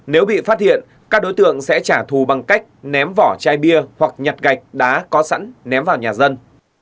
nếu bị phát hiện các đối tượng sẽ trả thù bằng cách ném vỏ chai bia hoặc nhặt gạch đá có sẵn ném vào nhà dân